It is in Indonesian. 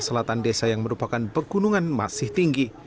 di wilayah selatan desa yang merupakan pegunungan masih tinggi